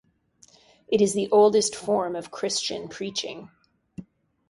It is the oldest form of Christian preaching.